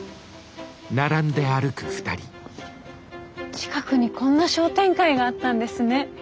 近くにこんな商店街があったんですね。